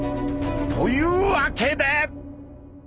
というわけで！